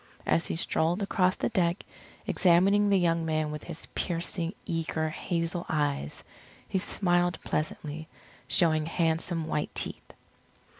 As he strolled across the deck, examining the young men with his piercing, eager, hazel eyes, he smiled pleasantly, showing handsome white teeth.